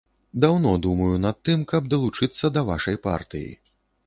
Даўно думаю над тым, каб далучыцца да вашай партыі.